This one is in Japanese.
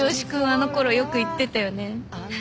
あの頃よく言ってたよね。